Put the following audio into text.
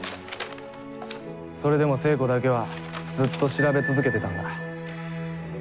それでも聖子だけはずっと調べ続けてたんだ。